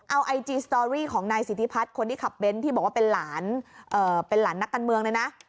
เอาไอจีสตอรีของนายศิษภัทรคนที่ขับเบนท์ที่บอกว่าเป็นหลานนักการเมืองนะ